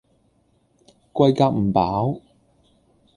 貴夾唔飽